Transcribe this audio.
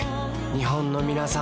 日本のみなさん